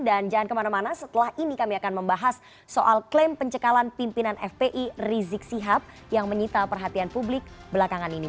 dan jangan kemana mana setelah ini kami akan membahas soal klaim pencekalan pimpinan fpi rizik sihab yang menyita perhatian publik belakangan ini